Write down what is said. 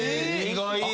意外。